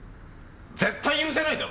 絶対許せないだろ！